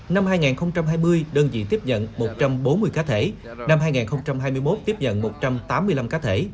năm hai nghìn hai mươi đơn vị tiếp nhận một trăm bốn mươi cá thể năm hai nghìn hai mươi một tiếp nhận một trăm tám mươi năm cá thể